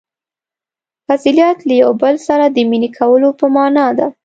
• فضیلت له یوه بل سره د مینې کولو په معنیٰ دی.